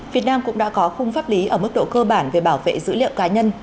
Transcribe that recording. việt nam cũng đã có khung pháp lý ở mức độ cơ bản về bảo vệ dữ liệu cá nhân